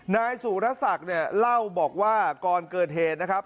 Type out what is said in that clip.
นายสุรศักดิ์เนี่ยเล่าบอกว่าก่อนเกิดเหตุนะครับ